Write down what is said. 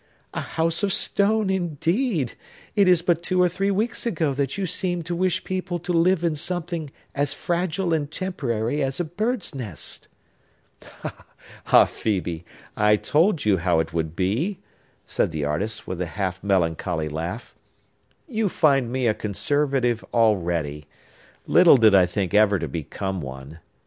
A house of stone, indeed! It is but two or three weeks ago that you seemed to wish people to live in something as fragile and temporary as a bird's nest!" "Ah, Phœbe, I told you how it would be!" said the artist, with a half melancholy laugh. "You find me a conservative already! Little did I think ever to become one.